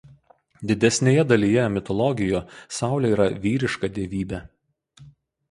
Didesnėje dalyje mitologijų Saulė yra vyriška dievybė.